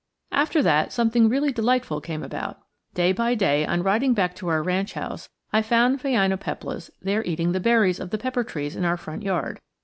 After that, something really delightful came about. Day by day, on riding back to our ranch house, I found phainopeplas there eating the berries of the pepper trees in our front yard.